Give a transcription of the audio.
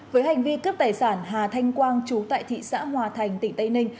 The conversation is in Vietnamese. với hành vi cướp tài sản hà thanh quang chú tại thị xã hòa thành tỉnh tây ninh